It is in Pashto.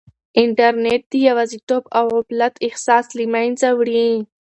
انټرنیټ د یوازیتوب او غفلت احساس له منځه وړي.